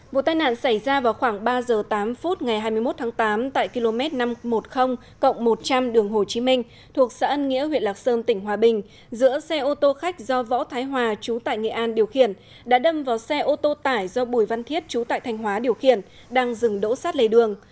vụ tai nạn xảy ra vào khoảng ba giờ tám phút ngày hai mươi một tháng tám tại km năm trăm một mươi một trăm linh đường hồ chí minh thuộc xã ân nghĩa huyện lạc sơn tỉnh hòa bình giữa xe ô tô khách do võ thái hòa trú tại nghệ an điều khiển đã đâm vào xe ô tô tải do bùi văn thiết trú tại thanh hóa điều khiển đang dừng đỗ sát lề đường